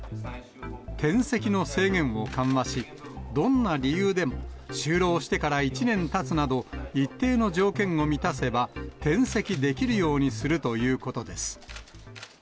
転籍の制限を緩和し、どんな理由でも、就労してから１年たつなど、一定の条件を満たせば転籍できるようにするということです。